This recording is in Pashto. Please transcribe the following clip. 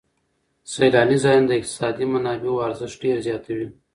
سیلاني ځایونه د اقتصادي منابعو ارزښت ډېر زیاتوي.